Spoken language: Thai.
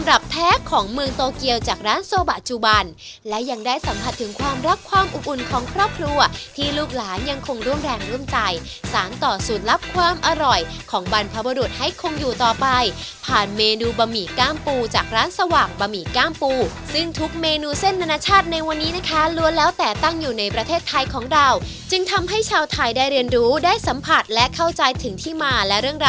รับความอุ่นของครอบครัวที่ลูกหลานยังคงร่วมแรงร่วมใจสารต่อสูตรรับความอร่อยของบรรพบรุษให้คงอยู่ต่อไปผ่านเมนูบะหมี่ก้ามปูจากร้านสว่างบะหมี่ก้ามปูซึ่งทุกเมนูเส้นนาชาติในวันนี้นะคะล้วนแล้วแต่ตั้งอยู่ในประเทศไทยของเราจึงทำให้ชาวไทยได้เรียนรู้ได้สัมผัสและเข้าใจถึงที่มาและเรื่อง